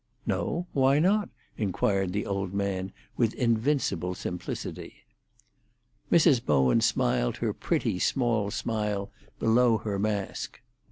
"No?—why not?" inquired the old man, with invincible simplicity. Mrs. Bowen smiled her pretty, small smile below her mask.